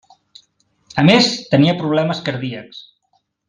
A més, tenia problemes cardíacs.